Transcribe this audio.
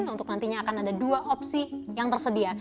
untuk nantinya akan ada dua opsi yang tersedia